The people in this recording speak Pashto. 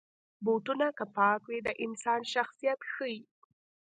بوټونه که پاک وي، د انسان شخصیت ښيي.